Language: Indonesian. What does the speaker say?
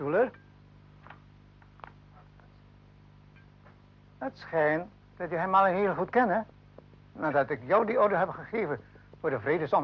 setelah saya memberi tuan pesan untuk pertemuan tanpa pertemuan